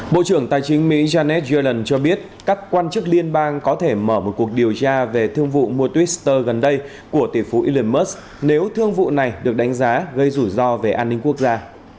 bộ trưởng tài chính mỹ janet yellen cho biết các quan chức liên bang có thể mở một cuộc điều tra về thương vụ modwitter gần đây của tỷ phú elon musk nếu thương vụ này được đánh giá gây rủi ro về an ninh quốc gia